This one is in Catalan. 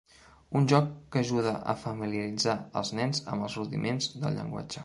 Un joc que ajuda a familiaritzar els nens amb els rudiments del llenguatge.